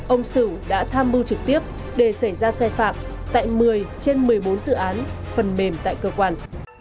ông sửu đã tham mưu trực tiếp để xảy ra sai phạm tại một mươi trên một mươi bốn dự án phần mềm tại cơ quan